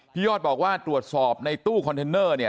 ยอดบอกว่าตรวจสอบในตู้คอนเทนเนอร์เนี่ย